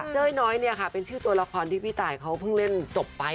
เจ้ยน้อยเป็นชื่อตัวละครที่พี่ตายเพิ่งเล่นจบไป